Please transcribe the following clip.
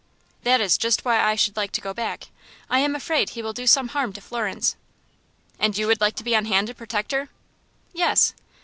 "That is just why I should like to go back. I am afraid he will do some harm to Florence." "And you would like to be on hand to protect her?" "Yes."